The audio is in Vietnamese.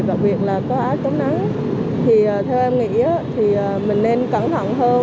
và việc là có áo chống nắng thì theo em nghĩ thì mình nên cẩn thận hơn